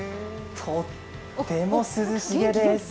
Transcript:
とっても涼しげです。